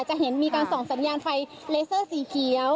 จะเห็นมีการส่องสัญญาณไฟเลเซอร์สีเขียว